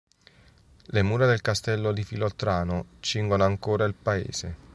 Le mura del castello di Filottrano cingono, ancora, il paese.